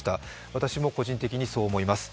私も個人的にそう思います。